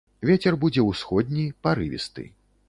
Вецер будзе ўсходні, парывісты.